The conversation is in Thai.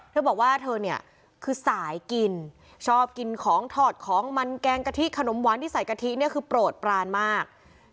เธอบอกว่าเธอเนี่ยคือสายกินชอบกินของถอดของมันแกงกะทิขนมหวานที่ใส่กะทิเนี่ยคือโปรดปรานมาก